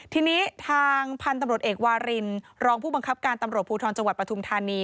ทีนี้ทางพันธุ์ตำรวจเอกวารินรองผู้บังคับการตำรวจภูทรจังหวัดปฐุมธานี